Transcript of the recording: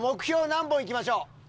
何本いきましょう？